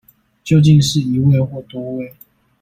究竟是一位或多位